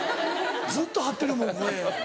ずっと張ってるもん声。